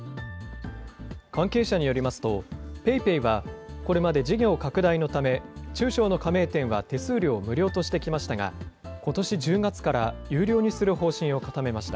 関係者によりますと、ＰａｙＰａｙはこれまで事業拡大のため、中小の加盟店は手数料無料としてきましたが、ことし１０月から有料にする方針を固めました。